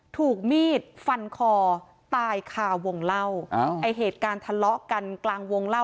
ถูกมีดฟันคอตายคาวงเล่าไอ้เหตุการณ์ทะเลาะกันกลางวงเล่า